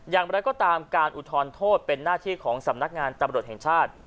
อย่างไรก็ตามการอุทธรณโทษเป็นหน้าที่ของสำนักงานตำรวจแห่งชาติ